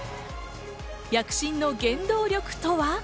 躍進の原動力とは？